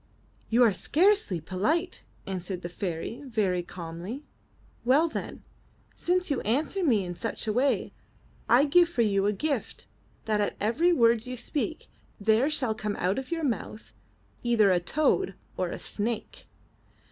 *' You are scarcely polite,'* answered the fairy very calmly. *Well then, since you answer me in such away, I give you for a gift that at every word you speak there shall come out of your mouth either a toad or a snake.